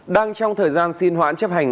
đang trong thời gian xin hoãn chấp hành